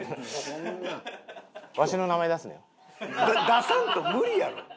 出さんと無理やろ。